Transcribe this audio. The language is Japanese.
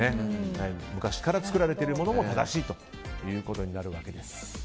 昔から作られているものも正しいということになるわけです。